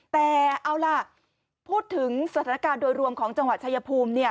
แต่เอาล่ะพูดถึงสถานการณ์โดยรวมของจังหวัดชายภูมิ